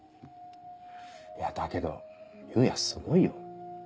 いやだけど裕也すごいよ。